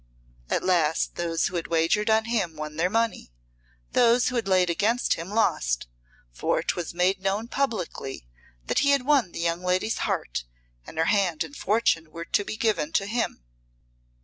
At last those who had wagered on him won their money, those who had laid against him lost, for 'twas made known publicly that he had won the young lady's heart, and her hand and fortune were to be given to him.